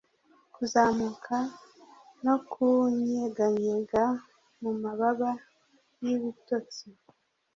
Kuzamuka no kunyeganyega mu mababa yibitotsi